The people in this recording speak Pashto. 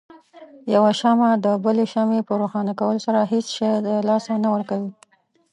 يوه شمعه دبلې شمعې په روښانه کولو سره هيڅ شی د لاسه نه ورکوي.